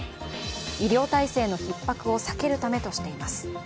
医療体制のひっ迫を避けるためとしています。